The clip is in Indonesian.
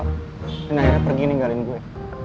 dan akhirnya pergi ninggalin gue